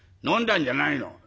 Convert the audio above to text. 飲んだんじゃないの。